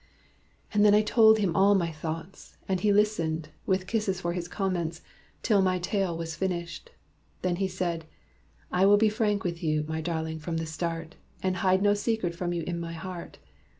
"And then I told him all my thoughts; and he Listened, with kisses for his comments, till My tale was finished. Then he said, 'I will Be frank with you, my darling, from the start, And hide no secret from you in my heart.